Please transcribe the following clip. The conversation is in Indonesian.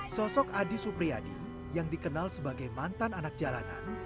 sosok adi supriyadi yang dikenal sebagai mantan anak jalanan